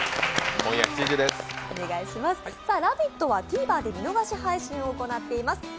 「ラヴィット！」はＴＶｅｒで見逃し配信を行っています。